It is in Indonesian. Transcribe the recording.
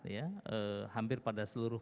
ya hampir pada seluruh